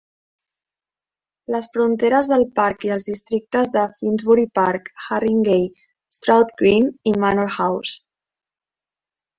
Les fronteres del parc i els districtes de Finsbury Park, Harringay, Stroud Green i Manor House.